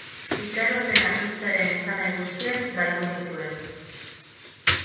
Itxaropena hitzaren esanahi guztiak galdu nituen.